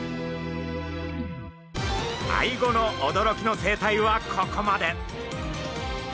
アイゴの驚きの生態はここまで。